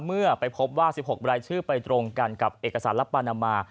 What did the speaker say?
เมื่อไปพบว่า๑๖รายชื่อไปตรงกันกับเอกสารลับปานามา